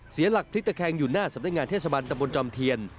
เสียหลักพลิกตะแคงอยู่หน้าสำนักงานเทศบาลตะบนจอมเทียน